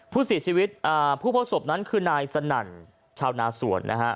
ผู้เสียชีวิตผู้พบศพนั้นคือนายสนั่นชาวนาสวนนะฮะ